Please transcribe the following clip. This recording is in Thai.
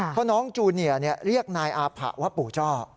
เพราะน้องจูเนียเรียกนายอาผะว่าปู่จ้อ